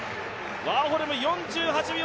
ワーホルム４８秒００。